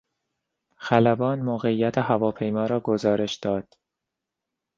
خلبان موقعیت هواپیما را گزارش داد.